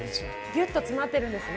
ぎゅっと詰まってるんですね。